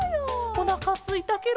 おなかすいたケロ。